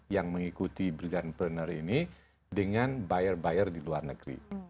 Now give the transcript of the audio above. yang mengikuti brilliantpreneur ini dengan buyer buyer di luar negeri